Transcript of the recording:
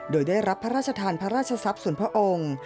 โดยได้รับพระราชทานพระราชทรัพย์ส่วนพระองค์